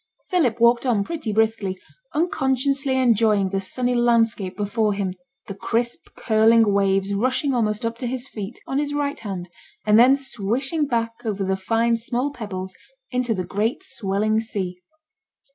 Philip walked on pretty briskly, unconsciously enjoying the sunny landscape before him; the crisp curling waves rushing almost up to his feet, on his right hand, and then swishing back over the fine small pebbles into the great swelling sea.